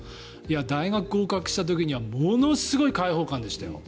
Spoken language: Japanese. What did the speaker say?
大学に合格した時はものすごく解放感でしたよ。